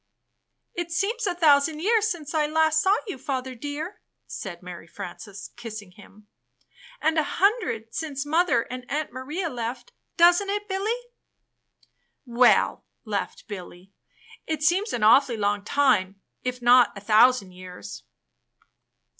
"It seems a thousand years since I last saw you, Father dear," said Mary Frances, kissing him, ''and a hundred since Mother and Aunt Maria left; doesn't it, BiUy?" "WeU," laughed Billy, "it seems an a\\^ully long time, if not a thousand years."